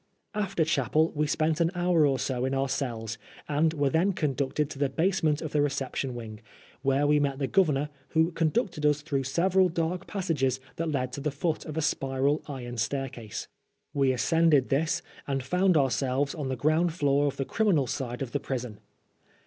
After chapel we spent an hour or so in our cells, and were then conducted to the basement of the reception wing, where we met the Governor, who conducted us through several dark passages that led to the foot of a spiral iron staircase. We ascended this, and found ourselves on the ground floor of the criminal side of the prison.